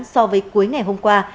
so với cuối ngày hôm qua